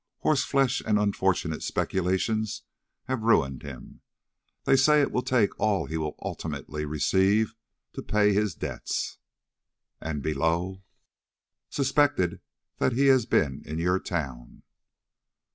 Horse flesh and unfortunate speculations have ruined him. They say it will take all he will ultimately receive to pay his debts. "And below: "Suspected that he has been in your town."